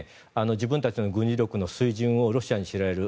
自分たちの軍事力の水準をロシアに知られる。